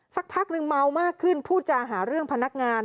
สักพักนึงเมามากขึ้นพูดจาหาเรื่องพนักงาน